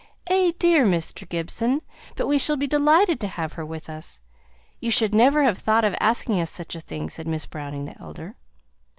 "Eh dear! Mr. Gibson, but we shall be delighted to have her with us. You should never have thought of asking us such a thing," said Miss Browning the elder.